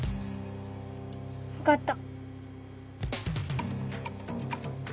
分かった。